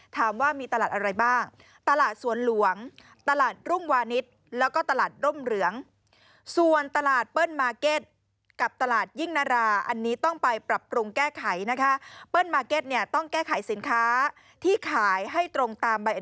ตลาดสวนหลวงตลาดรุงวานิดแล้วก็ตลาดร่มเหลือง